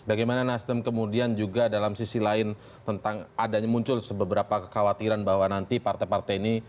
bagaimana nasdem kemudian juga dalam sisi lain tentang adanya muncul sebeberapa kekhawatiran bahwa nanti partai partai ini